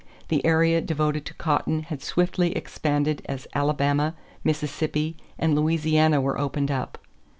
The area devoted to cotton had swiftly expanded as Alabama, Mississippi, and Louisiana were opened up.